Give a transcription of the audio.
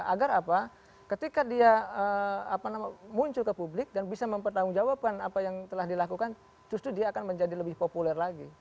agar apa ketika dia muncul ke publik dan bisa mempertanggungjawabkan apa yang telah dilakukan justru dia akan menjadi lebih populer lagi